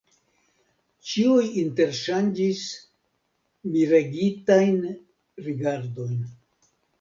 Ĉiuj interŝanĝis miregitajn rigardojn.